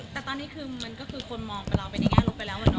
แต่ตอนนี้คือมันก็คือคนมองเราเป็นอย่างงี้อาลุ้มไปแล้วเหมือนน้อง